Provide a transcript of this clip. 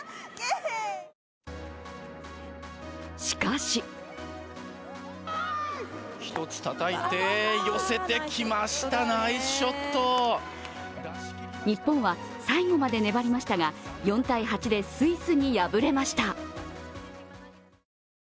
しかし日本は最後まで粘りましたが、４−８でスイスに敗れました。